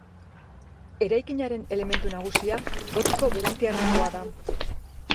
Eraikinaren elementu nagusia gotiko berantiarrekoa da.